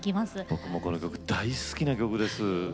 僕もこの曲大好きな曲です。